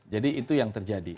jadi itu yang terjadi